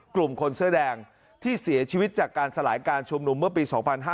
กลุ่มคนเสื้อแดงที่เสียชีวิตจากการสลายการชุมนุมเมื่อปี๒๕๕๙